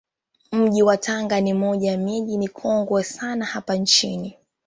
Mji wa Tanga ni moja ya miji mikongwe sana hapa nchini